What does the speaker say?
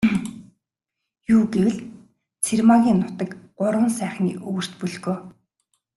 Юу гэвэл, Цэрмаагийн нутаг Гурван сайхны өвөрт бөлгөө.